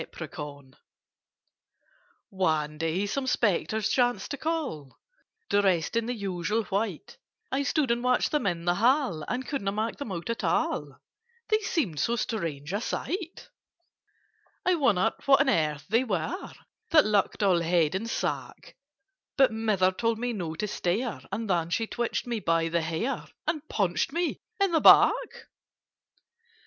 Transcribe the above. [Picture: I stood and watched them in the hall] "One day, some Spectres chanced to call, Dressed in the usual white: I stood and watched them in the hall, And couldn't make them out at all, They seemed so strange a sight. "I wondered what on earth they were, That looked all head and sack; But Mother told me not to stare, And then she twitched me by the hair, And punched me in the back.